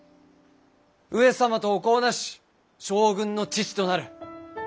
上様とお子をなし将軍の父となる。